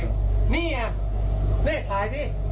นี่นี่ถ่ายสิ